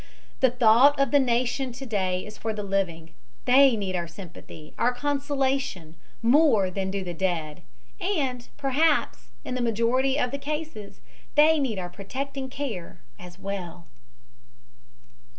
The thought of the nation to day is for the living. They need our sympathy, our consolation more than do the dead, and, perhaps, in the majority of the cases they need our protecting care as well.